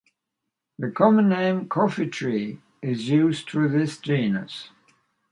The common name coffeetree is used for this genus.